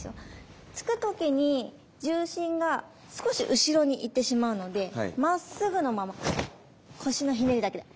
突く時に重心が少し後ろにいってしまうのでまっすぐのまま腰のひねりだけで。